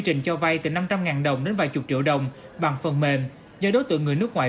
trình cho vay từ năm trăm linh đồng đến vài chục triệu đồng bằng phần mềm do đối tượng người nước ngoài